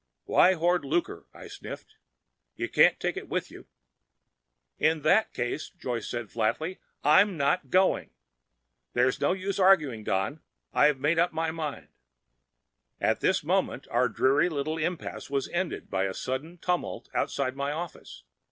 "Why hoard lucre?" I sniffed. "You can't take it with you." "In that case," said Joyce flatly, "I'm not going. There's no use arguing, Don. I've made up my mind—" At this moment our dreary little impasse was ended by a sudden tumult outside my office.